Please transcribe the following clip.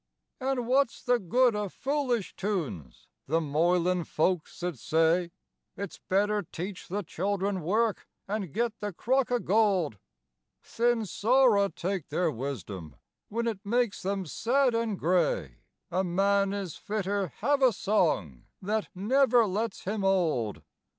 An' what's the good o' foolish tunes, the moilin' folks 'ud say, It's better teach the children work an' get the crock o' gold; Thin sorra take their wisdom whin it makes them sad an' gray, A man is fitter have a song that never lets him old.